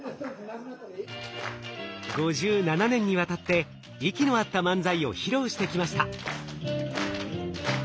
５７年にわたって息の合った漫才を披露してきました。